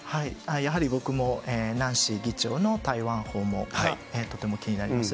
やはり、僕もナンシー議長の台湾訪問、とても気になります。